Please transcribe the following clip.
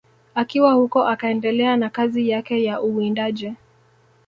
Akiwa huko akaendelea na kazi yake ya uwindaji